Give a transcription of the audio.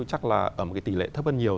chắc là ở một tỷ lệ thấp hơn nhiều